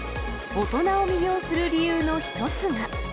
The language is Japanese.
大人を魅了する理由の一つが。